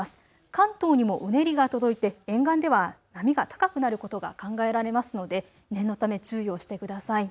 関東にもうねりが届いて沿岸では波が高くなることが考えられますので念のため注意をしてください。